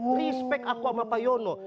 respect aku sama pak yono